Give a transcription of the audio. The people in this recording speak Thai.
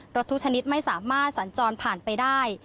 ทุกชนิดไม่สามารถสัญจรผ่านไปได้